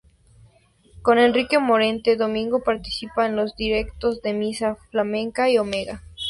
Con Enrique Morente, Domingo participa en los directos de "Misa Flamenca" y "Omega".